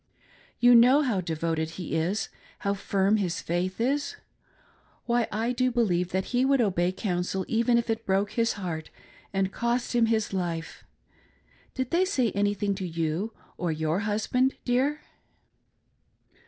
You know how devoted he is, how firm his faith is. Why, I do believe that he would obey Counsel even if it btoke his heart and cost him his lifcv Did they say anything to ydu or fmr husband, dear?"